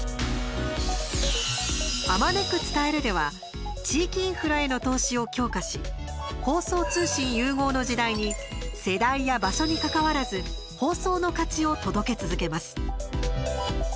「あまねく伝える」では地域インフラへの投資を強化し放送通信融合の時代に世代や場所にかかわらず「放送の価値」を届け続けます。